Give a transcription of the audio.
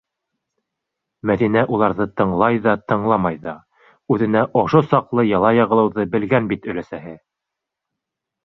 Мәҙинә уларҙы тыңлай ҙа, тыңламай ҙа: үҙенә ошо саҡлы яла яғылыуҙы белгән бит өләсәһе!